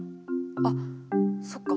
あっそっか。